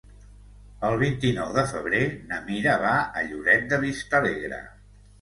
El vint-i-nou de febrer na Mira va a Lloret de Vistalegre.